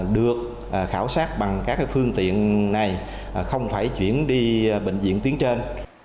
được khảo sát bằng các phương tiện này không phải chuyển đi bệnh viện tuyến trên